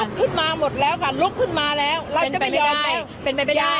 ขึ้นมาหมดแล้วค่ะลุกขึ้นมาแล้วเราจะไม่ยอมไหมเป็นไปไม่ได้